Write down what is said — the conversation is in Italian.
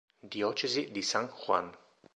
Diocesi di San Juan